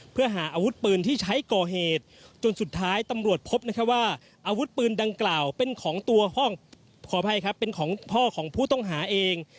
เพื่อหาอาวุธปืนที่ใช้ก่อเหตุจนสุดท้ายตำรวจพบว่าอาวุธปืนดังกล่าวเป็นของพ่อของผู้ต้องหาเอง